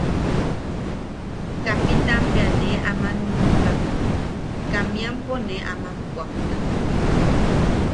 Kapitaan bea nee aman nuʼuka, kamiampo ne aman puʼaktak.